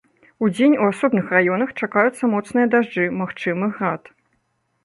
Удзень у асобных раёнах чакаюцца моцныя дажджы, магчымы град.